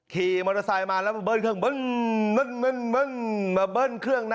ขี่มอเตอร์ไซค์มาแล้วมาเบิ้ลเครื่อง